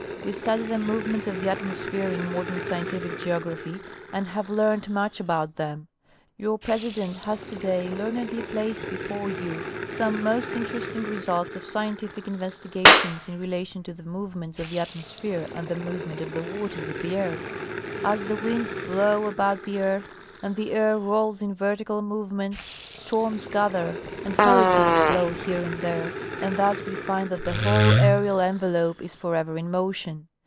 We study the movements of the atmosphere in modern scientific geography, and have learned much about them. Your president has to day learnedly placed* before j^ou some most interesting results of scientific investigations in rela tion to the movements of the atmosphere and the movement of the waters of the earth. As the winds blow about tiie earth, and the air rolls in vertical movements, storms gather and hur ricanes blow here and there, and thus we find that the whole aerial envelope is forever in motion.